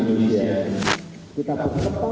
ke negara kita